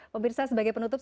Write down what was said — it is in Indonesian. pemirsa sebagai penutup